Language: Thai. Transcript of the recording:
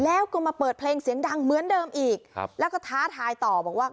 แล้วก็มาเปิดเพลงเสียงดังเหมือนเดิมอีกครับแล้วก็ท้าทายต่อบอกว่า